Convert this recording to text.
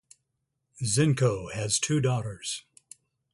Zenko has two daughters.